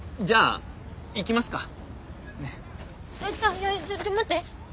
いやちょっと待って。